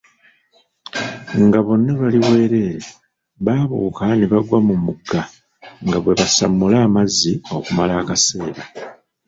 Nga bonna bali bwerere, baabuuka ne bagwa mu mugga, nga bwe basamula amazzi okumala akaseera.